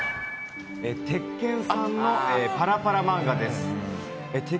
鉄拳さんのパラパラ漫画です。